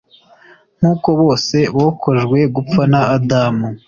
nk uko bose bokojwe gupfa na adamu